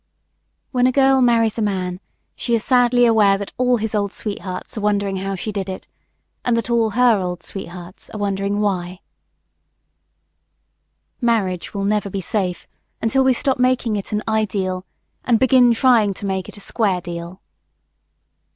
When a girl marries a man she is sadly aware that all his old sweethearts are wondering how she did it, and that all her old sweethearts are wondering why. Marriage will never be safe until we stop making it an "ideal" and begin trying to make it a square deal.